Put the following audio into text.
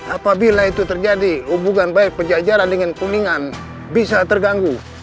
apabila itu terjadi hubungan baik pejajaran dengan kuningan bisa terganggu